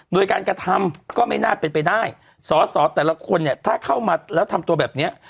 โดยการกระทำก็ไม่น่าเป็นไปได้สอสอแต่ละคนเนี่ยถ้าเข้ามาแล้วทำตัวแบบเนี้ย